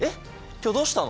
今日どうしたの？